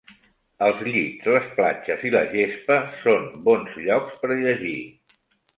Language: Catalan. Els llits, les platges i la gespa són bons llocs per llegir.